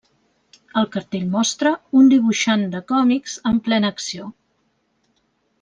El cartell mostra un dibuixant de còmics en plena acció.